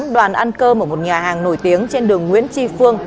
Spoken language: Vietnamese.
đoàn ăn cơ ở một nhà hàng nổi tiếng trên đường nguyễn tri phương